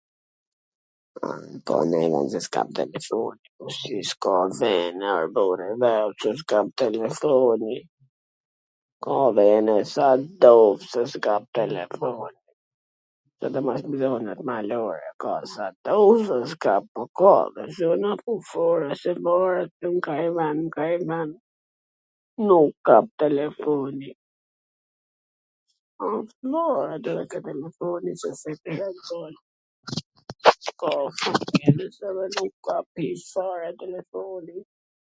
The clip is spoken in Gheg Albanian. A ka nonj ven qw s kap telefoni? Po si s ka ven o burr i dheut qw s kap telefoni? Ka vene sa t dush, qw s kap telefoni. Sidomos nw venet malore ka sa t dush, po ka edhe nw zonat fushore kanj ven, kanj ven, nuk kap telefoni. ...